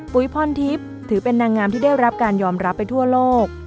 พรทิพย์ถือเป็นนางงามที่ได้รับการยอมรับไปทั่วโลก